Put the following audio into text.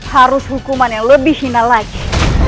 harus hukuman yang lebih hina lagi